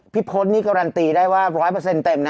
พี่พศนี่การันตีได้ว่า๑๐๐เต็มนะในการแคสติ้น